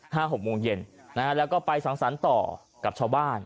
หกโมงเย็นนะฮะแล้วก็ไปสังสรรค์ต่อกับชาวบ้าน